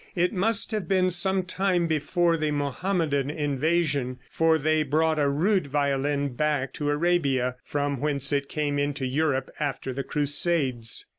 It must have been some time before the Mohammedan invasion, for they brought a rude violin back to Arabia, from whence it came into Europe after the crusades.